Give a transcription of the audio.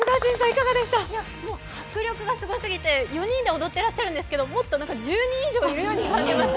もう迫力がすごすぎて、４人で踊ってらっしゃるんですけどもっと１０人以上いるように感じました。